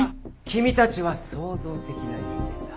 君たちは創造的な人間だ。